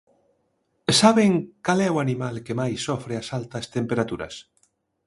Saben cal é o animal que máis sofre as altas temperaturas?